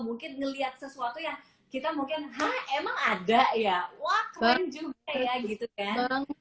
mungkin ngelihat sesuatu yang kita mungkin emang ada ya wah keren juga ya gitu kan